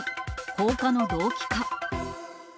放火の動機か？